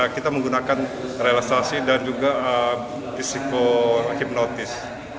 kita menggunakan relaksasi dan juga psikohipnotis